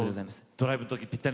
ドライブの時ぴったりな曲？